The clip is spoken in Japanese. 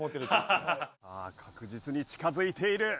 さあ確実に近づいている。